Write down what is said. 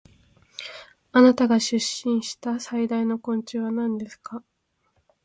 あなたがしゅっしんした最大の昆虫はなんですか